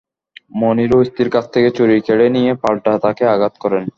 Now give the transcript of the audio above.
মনিরও স্ত্রীর কাছ থেকে ছুরি কেড়ে নিয়ে পাল্টা তাঁকে আঘাত করেন।